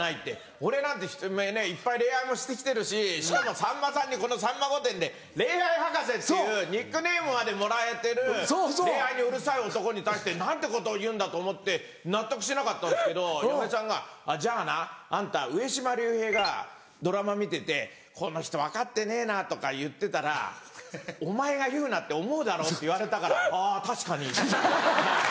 俺なんていっぱい恋愛もして来てるししかもさんまさんにこの『さんま御殿‼』で恋愛博士っていうニックネームまでもらえてる恋愛にうるさい男に対して何てことを言うんだと思って納得してなかったんですけど嫁さんが「じゃあなあんた上島竜兵がドラマ見てて『この人分かってねえな』とか言ってたらお前が言うなって思うだろ？」って言われたから「あぁ確かに」ってはい。